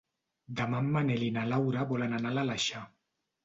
Demà en Manel i na Laura volen anar a l'Aleixar.